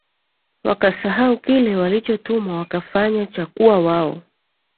wakasahau kile walichotumwa wakafanya cha kuwa wao